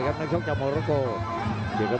พยายามจะไถ่หน้านี่ครับการต้องเตือนเลยครับ